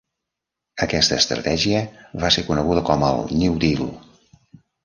Aquesta estratègia va ser coneguda com el "New Deal".